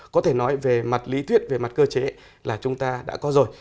có thể nói về mặt lý thuyết về mặt cơ chế là chúng ta đã có rồi